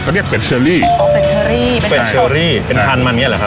เขาเรียกเป็ดเชอรี่อ๋อเป็ดเชอรี่เป็นเป็ดเชอรี่เป็นพันธุมันอย่างเงี้เหรอครับ